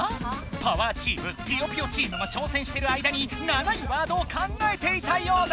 パワーチームぴよぴよチームが挑戦してる間に長いワードを考えていたようだ。